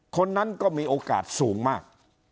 คนนั้นก็มีโอกาสสูงมาก